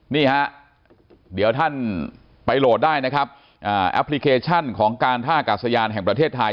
นี่ฮะเดี๋ยวท่านไปโหลดได้นะครับแอปพลิเคชันของการท่ากาศยานแห่งประเทศไทย